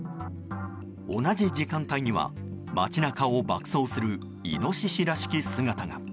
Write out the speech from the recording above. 同じ時間帯には街なかを爆走するイノシシらしき姿が。